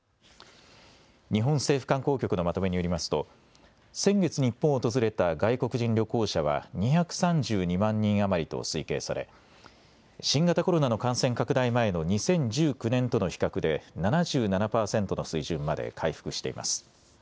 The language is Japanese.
日本政府観光局のまとめによりますと先月、日本を訪れた外国人旅行者は２３２万人余りと推計され新型コロナの感染拡大前の２０１９年との比較で７７％の水準まで回復しています。